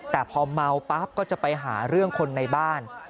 แต่พอเมาปั๊บก็จะไปหาเรื่องคนในบ้าน